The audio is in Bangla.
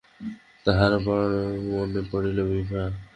তাহার পর মনে পড়িল– বিভা।